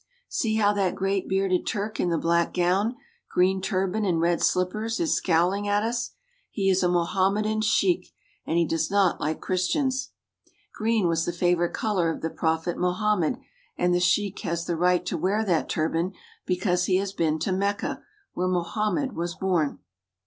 See how that gray bearded Turk in the black gown, green turban, and red slippers is scowling at us. He is a Mohammedan sheik, and he does not like Christians. Green was the favorite color of the prophet Mohammed, and the sheik has the right to wear that turban because he has been to Mecca, where Mohammed was born.